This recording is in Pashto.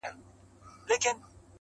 هغه سنګین، هغه سرکښه د سیالیو وطن!!